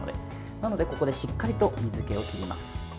なので、ここでしっかりと水けを切ります。